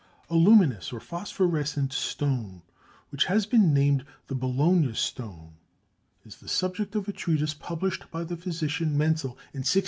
A luminous or phosphorescent stone, which has been named the Bologna stone, is the subject of a treatise published by the physician Mentzel in 1675.